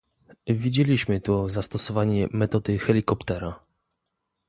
Widzieliśmy tu zastosowanie "metody helikoptera"